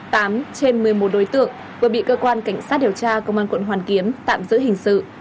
trên một mươi một đối tượng vừa bị cơ quan cảnh sát điều tra công an quận hoàn kiếm tạm giữ hình sự